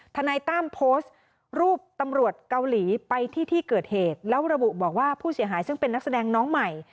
ทนายตั้มโพสต์รูปตำรวจเกาหลีไปที่ที่เกิดเหตุแล้วระบุบอกว่าผู้เสียหายซึ่งเป็นนักแสดงน้องใหม่